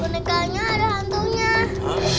bonekanya ada hantunya